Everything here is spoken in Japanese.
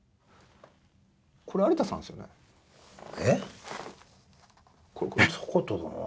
えっ？